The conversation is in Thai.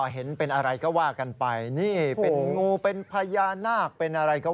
แฮ่